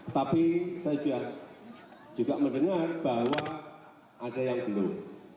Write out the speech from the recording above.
tapi saya juga mendengar bahwa ada yang belum